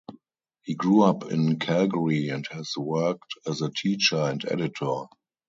He grew up in Calgary and has worked as a teacher and editor.